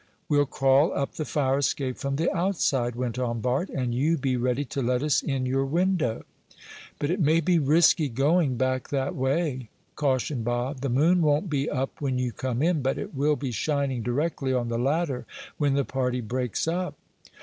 "We'll crawl up the fire escape from the outside," went on Bart, "and you be ready to let us in your window." "But it may be risky going back that way," cautioned Bob. "The moon won't be up when you come in, but it will be shining directly on the ladder when the party breaks up."